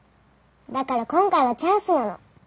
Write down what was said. だから今回はチャンスなの。